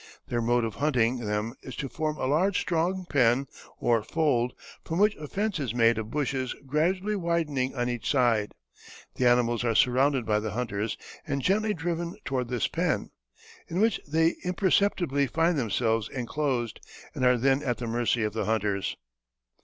Their mode of hunting them is to form a large strong pen or fold, from which a fence is made of bushes gradually widening on each side; the animals are surrounded by the hunters and gently driven toward this pen, in which they imperceptibly find themselves enclosed, and are then at the mercy of the hunters.